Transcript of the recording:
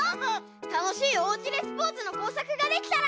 たのしいおうちでスポーツのこうさくができたら！